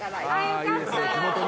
よかった。